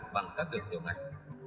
bằng các đường tiêu ngạch